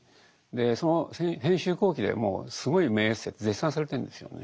その編集後記でもすごい名エッセイと絶賛されてるんですよね。